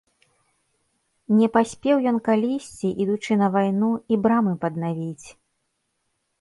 Не паспеў ён калісьці, ідучы на вайну, і брамы паднавіць.